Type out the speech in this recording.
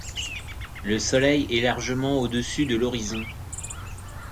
Le Soleil est largement au-dessus de l'horizon.